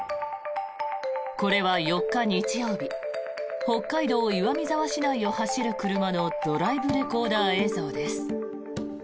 これは４日、日曜日北海道岩見沢市内を走る車のドライブレコーダー映像です。